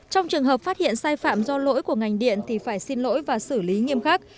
trong trường hợp phát hiện sai phạm do lỗi của ngành điện thì phải xin lỗi và xử lý nghiêm khắc